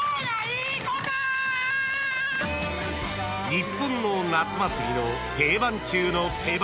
［日本の夏祭りの定番中の定番！］